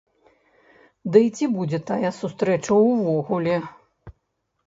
Дый ці будзе тая сустрэча ўвогуле?